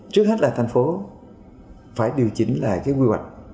trước hết là thành phố phải điều chỉnh lại cái quy hoạch